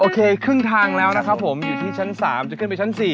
ครึ่งทางแล้วนะครับผมอยู่ที่ชั้น๓จะขึ้นไปชั้น๔